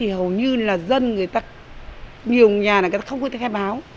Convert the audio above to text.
hầu như là dân nhiều nhà không có thể khai báo